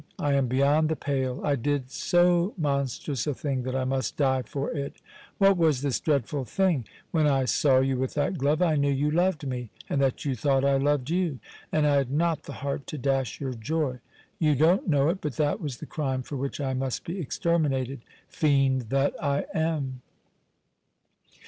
I am beyond the pale, I did so monstrous a thing that I must die for it. What was this dreadful thing? When I saw you with that glove I knew you loved me, and that you thought I loved you, and I had not the heart to dash your joy. You don't know it, but that was the crime for which I must be exterminated, fiend that I am!"